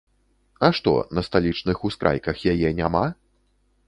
А што, на сталічных ускрайках яе няма?